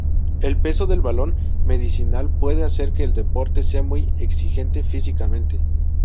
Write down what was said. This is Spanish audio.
El peso del balón medicinal puede hacer que el deporte sea muy exigente físicamente.